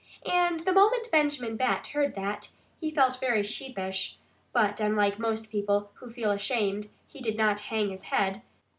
And the moment Benjamin Bat heard that, he felt very sheepish. But unlike most people who feel ashamed, he did not hang his head.